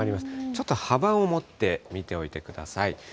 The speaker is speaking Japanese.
ちょっと幅を持って見ておいてください。